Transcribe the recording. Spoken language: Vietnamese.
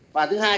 và thứ hai